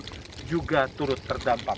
yang juga turut terdampak